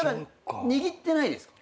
握ってないですか？